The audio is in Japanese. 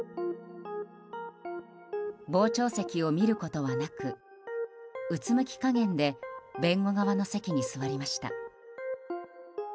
傍聴席を見ることはなくうつむき加減で弁護側の席に座りました。